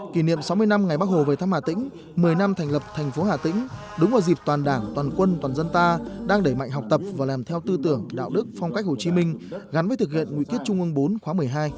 kỷ niệm sáu mươi năm ngày bắc hồ về thăm hà tĩnh một mươi năm thành lập thành phố hà tĩnh đúng vào dịp toàn đảng toàn quân toàn dân ta đang đẩy mạnh học tập và làm theo tư tưởng đạo đức phong cách hồ chí minh gắn với thực hiện nghị quyết trung ương bốn khóa một mươi hai